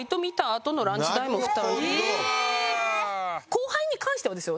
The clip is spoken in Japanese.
後輩に関してはですよ。